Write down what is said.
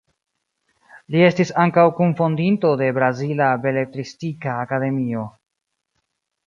Li estis ankaŭ kunfondinto de la Brazila Beletristika Akademio.